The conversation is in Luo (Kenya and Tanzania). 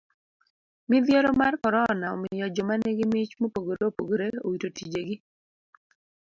Midhiero mar korona omiyo joma nigi mich mopogore opogore owito tije gi.